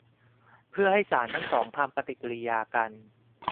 เพื่อให้สารทั้งสองทำปฏิกิริยากัน